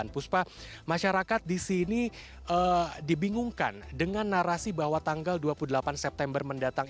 puspa masyarakat di sini dibingungkan dengan narasi bahwa tanggal dua puluh delapan september mendatang